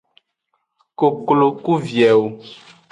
Koklo ku viewo.